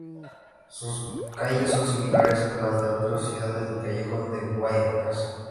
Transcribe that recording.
Sus calles son similares a las de otras ciudades del Callejón de Huaylas.